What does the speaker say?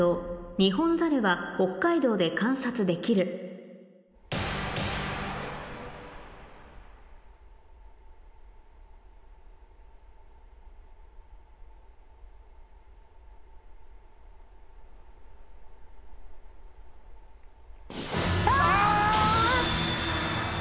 ニホンザルは北海道で観察できるあぁ。